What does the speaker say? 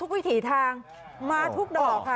วิถีทางมาทุกดอกค่ะ